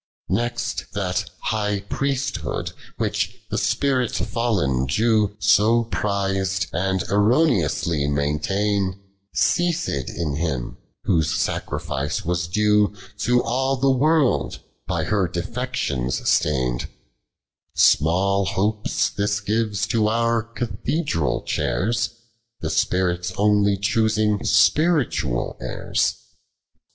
92. Next that, high priesthood, whicli the spiiit fall'n Jew So prized, and erroneously maintain'd, Ceased in Him, Whose saciitice was due To all the world, by her defections stainM : Small hopes this gives to our cathedral ehalrs The Spirit onely choosing spiritual heirs.